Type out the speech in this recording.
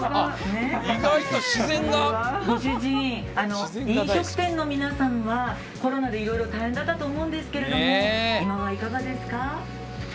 ご主人飲食店の皆さんはコロナでいろいろ大変だと思うんですけど今は、いかがですか？